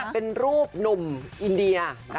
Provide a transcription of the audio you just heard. เป็นรูปหนุ่มอินเดีย